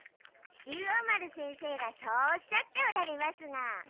竜王丸先生がそうおっしゃっておられますが。